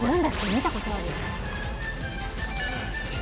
見たことある。